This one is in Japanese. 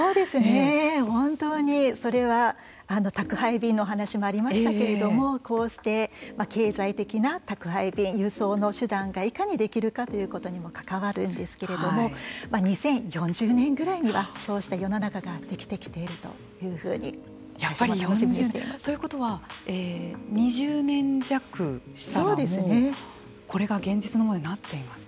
本当にそれは宅配便の話もありましたけれどもこうして経済的な宅配便の輸送の手段がいかにできるかということにも関わるんですけども２０４０年ぐらいにはそうした世の中ができてきているということは２０年弱したらもうこれが現実のものにはい。